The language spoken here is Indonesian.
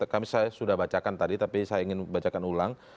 kami saya sudah bacakan tadi tapi saya ingin bacakan ulang